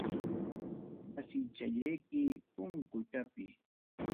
Wasichallayki punkuchapi.